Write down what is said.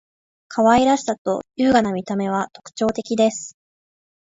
可愛らしさと優雅な見た目は特徴的です．